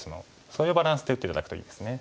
そういうバランスで打って頂くといいですね。